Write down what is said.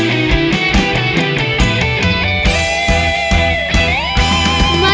แต่มีธงคารที่สินใจ